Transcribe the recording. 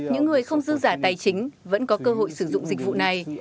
những người không dư giả tài chính vẫn có cơ hội sử dụng dịch vụ này